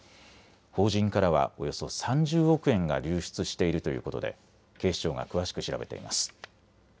法人からはおよそ３０億円が流出しているということで警視庁が詳しく調べています。